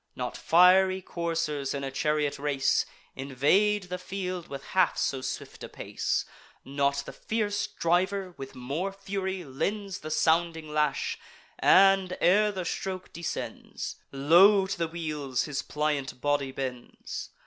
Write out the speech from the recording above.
Not fiery coursers, in a chariot race, Invade the field with half so swift a pace; Not the fierce driver with more fury lends The sounding lash, and, ere the stroke descends, Low to the wheels his pliant body bends.